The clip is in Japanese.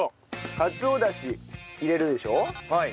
かつおダシ入れるでしょ。